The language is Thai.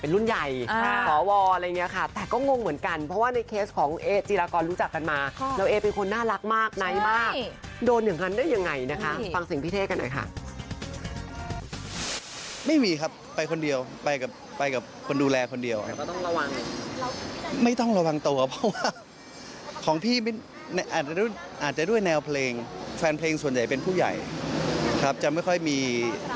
พี่ยังงงเลยตกใจเลยว่าทำไมน้องโดนอะไรขนาดนี้